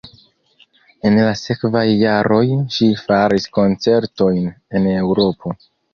En la sekvaj jaroj ŝi faris koncertojn en Eŭropo.